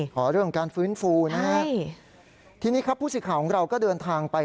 ขอเรื่องการฟื้นฟูนะฮะทีนี้ครับผู้สื่อข่าวของเราก็เดินทางไป